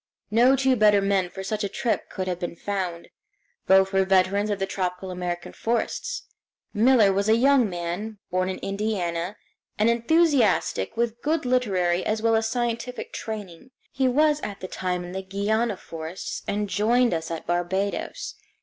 No two better men for such a trip could have been found. Both were veterans of the tropical American forests. Miller was a young man, born in Indiana, an enthusiastic with good literary as well as scientific training. He was at the time in the Guiana forests, and joined us at Barbados.